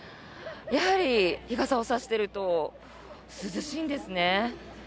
やはり日傘を差していると涼しいんですね。